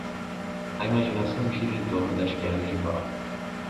A imaginação gira em torno das pernas de pau.